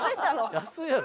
安いやろ！